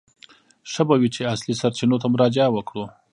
ښه به وي چې اصلي سرچینو ته مراجعه وکړو.